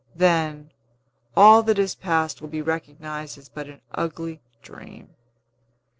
Then, all that has passed will be recognized as but an ugly dream.